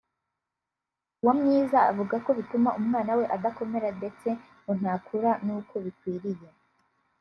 Uwamwiza avuga ko bituma umwana we adakomera ndetse ngo ntakura n’uko bikwiriye